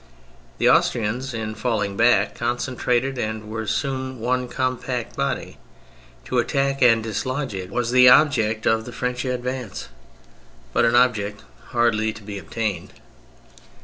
The Austrians in falling back concentrated and were soon one compact body : to attack and dislodge it was the object of the French advance, but an object hardly to be attained.